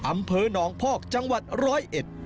อำเภอนองค์ภอกจังหวัด๑๐๑